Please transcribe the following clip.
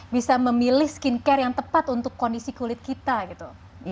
bisa memilih skincare yang tepat untuk kondisi kulit kita gitu